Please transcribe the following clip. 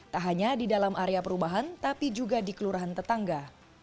tak hanya di dalam area perumahan tapi juga di kelurahan tetangga